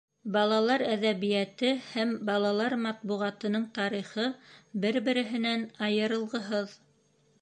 Балалар әҙәбиәте һәм балалар матбуғатының тарихы бер-береһенән айырылғыһыҙ.